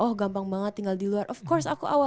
oh gampang banget tinggal di luar of course aku awal